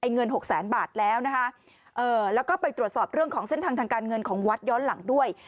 เงินหกแสนบาทแล้วนะคะแล้วก็ไปตรวจสอบเรื่องของเส้นทางทางการเงินของวัดย้อนหลังด้วย